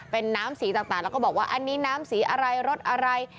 เป็นน้ำสีต่างแล้วก็บอกว่าอันนี้น้ำสีอะไรรสอะไร